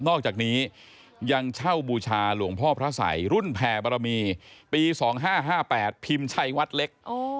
อกจากนี้ยังเช่าบูชาหลวงพ่อพระสัยรุ่นแผ่บรมีปี๒๕๕๘พิมพ์ชัยวัดเล็ก